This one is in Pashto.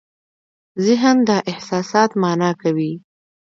ذهن دا احساسات مانا کوي.